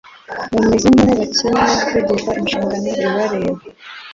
bameze nk'aho bakencye kwigishwa inshingano ibareba,